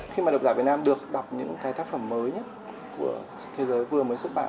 khi mà đọc giả việt nam được đọc những cái tác phẩm mới nhất của thế giới vừa mới xuất bản